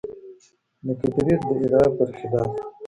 د کبریت د ادعا برخلاف.